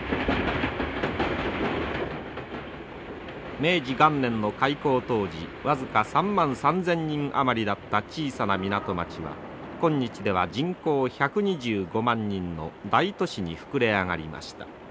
明治元年の開港当時僅か３万３，０００人余りだった小さな港町は今日では人口１２５万人の大都市に膨れ上がりました。